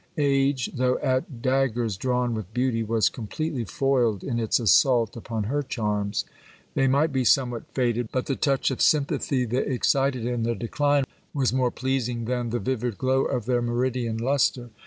Age, though at dag gers drawn with beauty, was completely foiled in its assault upon her charms ; tbiy might be somewhat faded, but the touch of sympathy they excited in their decline was more pleasing that the vivid glow of their meridian lustre.